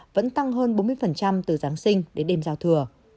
vẫn tăng hơn bốn mươi từ giáng sinh đến đêm giao thừa